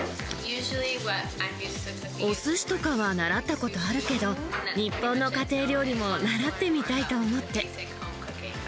おすしとかは習ったことあるけど、日本の家庭料理も習ってみたいと思って。